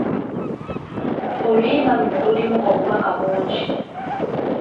Oluyimba luno lulimu obubaka bungi.